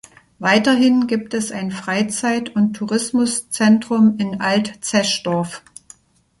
Weiterhin gibt es ein Freizeit- und Tourismuszentrum in Alt Zeschdorf.